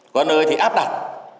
có nơi thì áp đặt